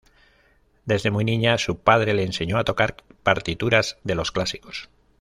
Desde muy niña, su padre le enseñó a tocar partituras de los clásicos.